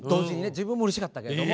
自分もうれしかったけども。